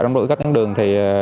trong đổi các đường